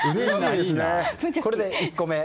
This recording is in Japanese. これで１個目。